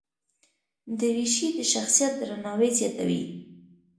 دریشي د شخصیت درناوی زیاتوي.